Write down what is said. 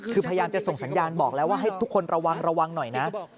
คือพยายามจะส่งสัญญาณบอกแล้วว่าให้ทุกคนระวังระวังหน่อยนะ